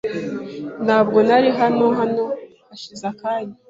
Ntabwo nari hano hano hashize akanya .